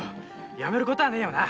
やめることはねぇよな。